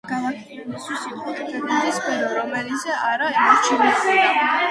გალაკტიონისთვის იყო ერთადერთი სფერო, რომელიც არ ემორჩილებოდა